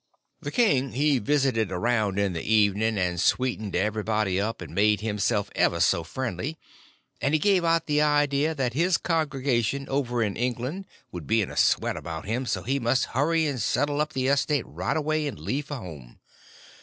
The king he visited around in the evening, and sweetened everybody up, and made himself ever so friendly; and he give out the idea that his congregation over in England would be in a sweat about him, so he must hurry and settle up the estate right away and leave for home.